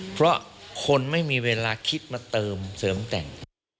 เพราะคนไม่มีเวลาคิดมาเติมเสริมแต่ง